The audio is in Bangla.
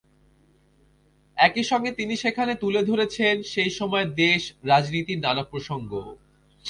একই সঙ্গে তিনি সেখানে তুলে ধরেছেন সেই সময়ের দেশ-রাজনীতির নানা প্রসঙ্গও।